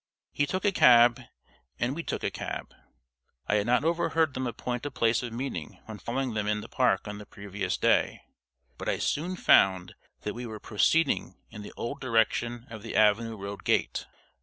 He took a cab and we took a cab. I had not overheard them appoint a place of meeting when following them in the Park on the previous day, but I soon found that we were proceeding in the old direction of the Avenue Road gate.